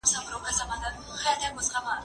زه مخکي انځورونه رسم کړي وو؟